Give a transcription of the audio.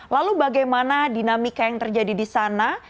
lalu bagaimana dinamika yang terjadi di sana